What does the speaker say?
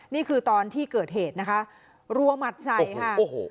นี่คือตอนที่เกิดเหตุนะคะรัวหมัดใส่ค่ะโอ้โห